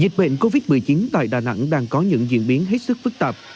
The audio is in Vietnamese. dịch bệnh covid một mươi chín tại đà nẵng đang có những diễn biến hết sức phức tạp